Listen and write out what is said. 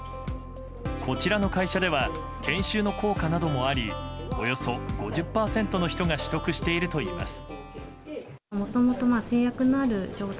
こちらの会社では研修の効果などもありおよそ５０％の人が取得しているといいます。